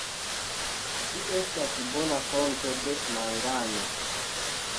Ĝi estas bona fonto de mangano.